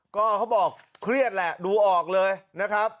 ก็เขาบอกเครียดแหละดูออกเลยนะครับ